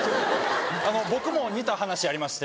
僕も似た話ありまして。